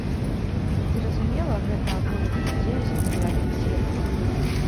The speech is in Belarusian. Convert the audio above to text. Зразумела, гэта аповеды людзей у сацыяльных сетках.